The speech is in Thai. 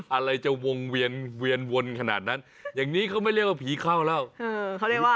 อะไรจะวงเวียนเวียนวนขนาดนั้นอย่างนี้เขาไม่เรียกว่าผีเข้าแล้ว